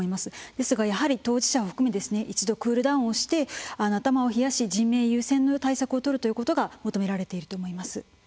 ですがやはり当事者を含め一度クールダウンをして頭を冷やし人命優先の対策をとるということが求められていると思います。